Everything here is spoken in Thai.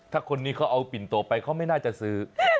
ถ้าคนนี้เขาเอาปิ่นโตไปเขาไม่น่าจะซื้อ